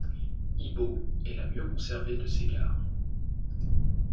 Hybo est la mieux conservée de ces gares.